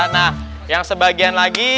nah yang sebagian lagi